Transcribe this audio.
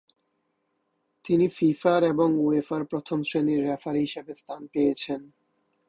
তিনি ফিফার এবং উয়েফার প্রথম শ্রেণির রেফারি হিসেবে স্থান পেয়েছেন।